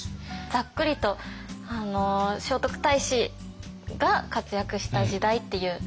ざっくりと聖徳太子が活躍した時代っていうイメージですかね。